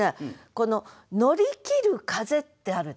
この「乗り切る風」ってあるでしょ。